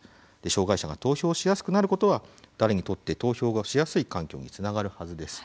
障害者が投票しやすくなることは誰にとっても投票しやすい環境につながるはずです。